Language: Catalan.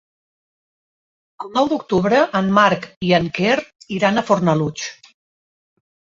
El nou d'octubre en Marc i en Quer iran a Fornalutx.